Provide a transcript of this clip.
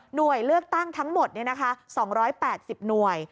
หน่วยเลือกตั้งทั้งหมดเนี่ยนะคะ๒๘๐หน่วย